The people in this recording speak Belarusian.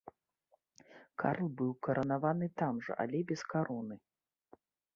Карл быў каранаваны там жа, але без кароны.